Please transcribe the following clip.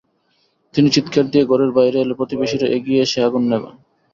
তিনি চিৎকার দিয়ে ঘরের বাইরে এলে প্রতিবেশীরা এগিয়ে এসে আগুন নেভান।